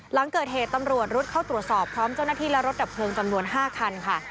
หลังเกิดเหตุตำรวจรุดเข้าตรวจสอบพร้อมเจ้าหน้าที่และรถดับเพลิงจำนวน๕คันค่ะ